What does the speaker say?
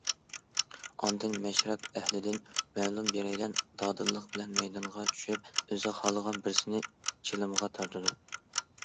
ئاندىن مەشرەپ ئەھلىدىن مەلۇم بىرەيلەن دادىللىق بىلەن مەيدانغا چۈشۈپ ئۆزى خالىغان بىرسىنى چىلىمغا تارتىدۇ.